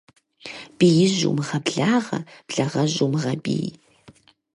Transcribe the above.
Биижь умыгъэблагъэ, благъэжь умыгъэбий.